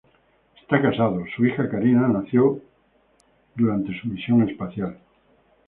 Está casado, su hija Carina nació durante su misión espacial.